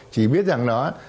chỉ biết rằng đó